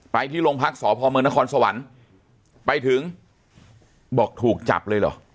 ที่โรงพักษพเมืองนครสวรรค์ไปถึงบอกถูกจับเลยเหรอ